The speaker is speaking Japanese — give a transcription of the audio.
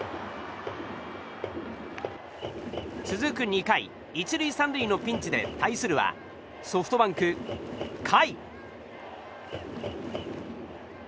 続く２回、１塁３塁のピンチで対するは、ソフトバンク、甲斐。